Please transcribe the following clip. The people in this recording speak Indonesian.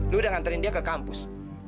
lu udah nganterin dia ke kampus